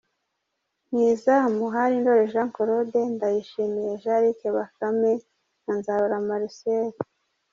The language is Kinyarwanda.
Mu izamu hari Ndoli Jean Claude, Ndayishimiye Jean Luc Bakame na Nzarora Marcel.